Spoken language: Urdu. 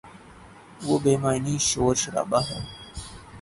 وہ بے معنی شور شرابہ ہے۔